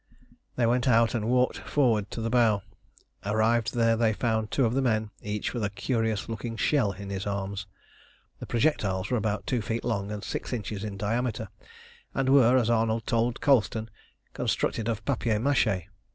They went out and walked forward to the bow. Arrived there they found two of the men, each with a curious looking shell in his arms. The projectiles were about two feet long and six inches in diameter, and were, as Arnold told Colston, constructed of papier maché.